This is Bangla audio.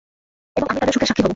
এবং আমি তাদের সুখের সাক্ষী হব।